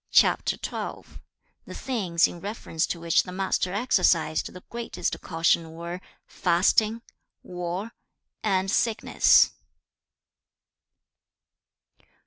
The things in reference to which the Master exercised the greatest caution were fasting, war, and sickness.